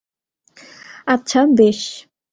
আচ্ছা, বেশ।